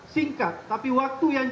singkat tapi waktu yang